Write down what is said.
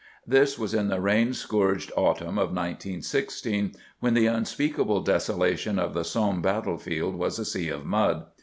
This was in the rain scourged autumn of 1916, when the unspeakable desolation of the Somme battlefield was a sea of mud.